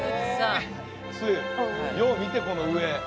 つえよう見てこの上。